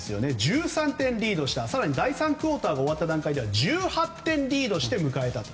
１３点リードして第３クオーターが終わった段階で１８点リードして迎えたと。